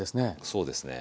そうですね。